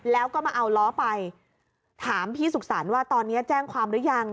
แล้วก็มาเอาล้อไปถามพี่สุขสรรค์ว่าตอนนี้แจ้งความหรือยัง